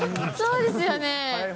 そうですよね。